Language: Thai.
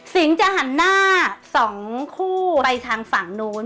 จะหันหน้า๒คู่ไปทางฝั่งนู้น